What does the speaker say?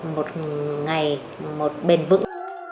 một ngày một bền vững